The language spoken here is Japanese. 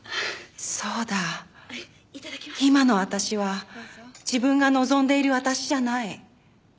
そうだ今の私は自分が望んでいる私じゃない。